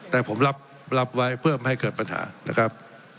แต่ผมรับไว้เพื่อไม่ให้เกิดปัญหานะครับ